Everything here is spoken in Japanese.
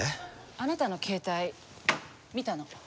あなたの携帯見たの。